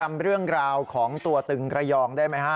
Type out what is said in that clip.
จำเรื่องราวของตัวตึงระยองได้ไหมฮะ